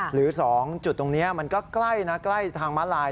หรือ๒จุดตรงนี้มันก็ใกล้นะใกล้ทางม้าลาย